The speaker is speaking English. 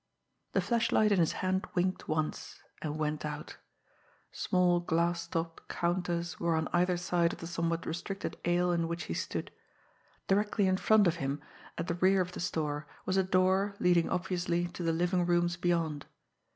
The flashlight in his hand winked once and went out. Small, glass topped counters were on either side of the somewhat restricted aisle in which he stood; directly in front of him, at the rear of the store, was a door, leading, obviously, to the living rooms beyond.